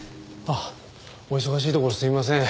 あっお忙しいところすいません。